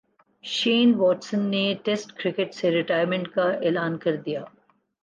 شین واٹسن نے test cricket سے ریٹائرمنٹ کا اعلان کر دیا